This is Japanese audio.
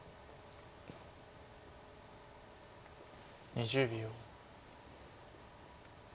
２０秒。